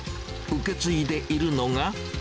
受け継いでいるのが。